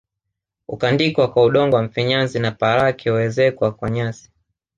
Hukandikwa kwa udongo wa mfinyanzi na paa lake huezekwa kwa nyasi